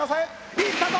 いったぞ！